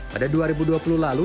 pada dua ribu dua puluh lalu